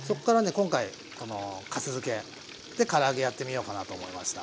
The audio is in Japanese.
今回このかす漬けでから揚げやってみようかなと思いました。